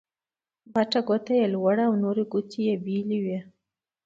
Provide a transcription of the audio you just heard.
بټه ګوته يي لوړه او نورې ګوتې يې بېلې وې.